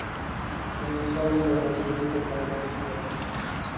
کێن ساڵی داهاتوو دەبێتە پازدە ساڵ.